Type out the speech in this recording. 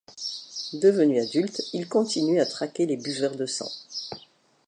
Devenus adultes, ils continuent à traquer les buveurs de sang.